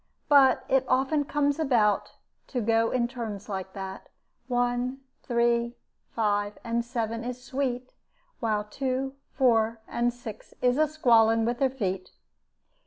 But it often comes about to go in turns like that; 'one, three, five, and seven is sweet, while two, four, and six is a squalling with their feet.'